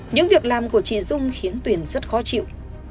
những việc làm của chị dung khiến tuyển rất khó chịu